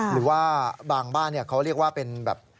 หรือว่าบางบ้านเขาเรียกว่าเป็นแบบ